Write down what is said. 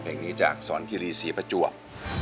เพลงนี้จากสอนคิรีศรีประจวบ